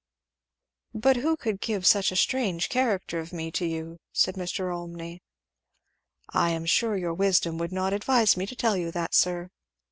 "But who could give such a strange character of me to you?" said Mr. Olmney. "I am sure your wisdom would not advise me to tell you that, sir.